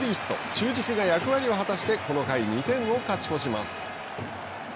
中軸が役割を果たしてこの回２点を勝ち越します。